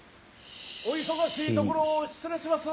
・お忙しいところを失礼します。